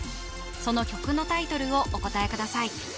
その曲のタイトルをお答えください